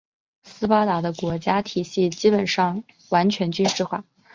斯巴达的国家体系基本上已完全军事化。